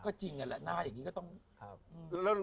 ก็จริงนั่นแหละหน้าอย่างนี้ก็ต้อง